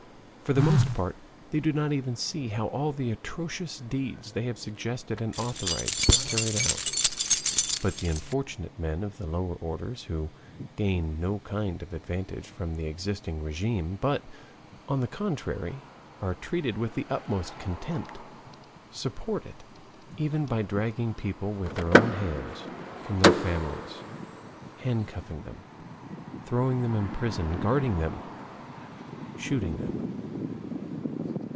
For the most part they do not even see how all the atrocious deeds they have suggested and authorized are carried out. But the unfortunate men of the lower orders, who gain no kind of advantage from the existing RÉGIME, but, on the contrary, are treated with the utmost contempt, support it even by dragging people with their own hands from their families, handcuffing them, throwing them in prison, guarding them, shooting them.